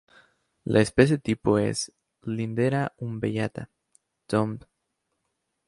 La especie tipo es "Lindera umbellata" Thunb.